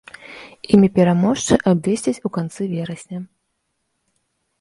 Імя пераможцы абвесцяць у канцы верасня.